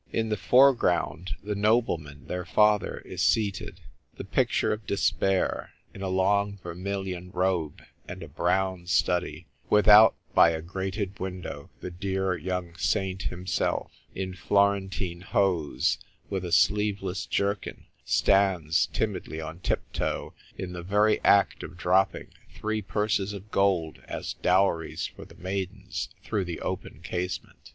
In the foreground the noble man their father is seated, the picture of despair, in a long vermilion robe and a brown study ; without, by a grated window, the dear young saint himself, in Florentine hose, with a sleeveless jerkin, stands timidly on tip toe, in the very act of dropping three purses of gold as dowries for the maidens through the open casement.